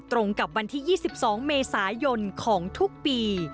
ตรงกับวันที่๒๒เมษายนของทุกปี